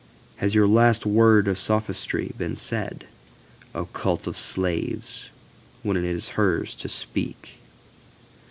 Has your last word of sophistry been said,O cult of slaves? Then it is hers to speak.